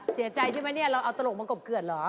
เสียใจใช่ไหมเราเอาตลกมากบเกือบเหรอ